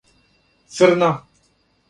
Црна